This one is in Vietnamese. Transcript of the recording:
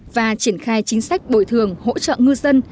và triển khai chính sách bồi thường hỗ trợ ngư dân